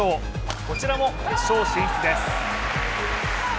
こちらも決勝進出です。